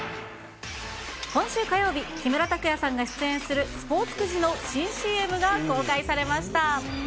今週火曜日、木村拓哉さんが出演するスポーツくじの新ＣＭが公開されました。